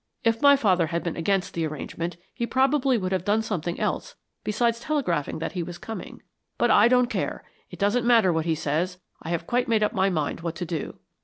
If my father had been against the arrangement he probably would have done something else besides telegraphing that he was coming; but I don't care, it doesn't matter what he says, I have quite made up my mind what to do."